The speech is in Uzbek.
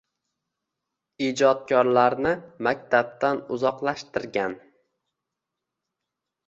Ijodkorlarni maktabdan uzoqlashtirgan.